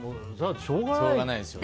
しょうがないですよね。